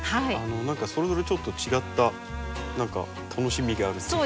何かそれぞれちょっと違った何か楽しみがあるというか。